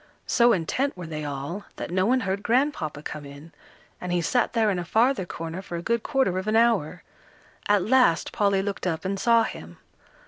So intent were they all, that no one heard Grandpapa come in, and he sat there in a farther corner, for a good quarter of an hour. At last Polly looked up and saw him.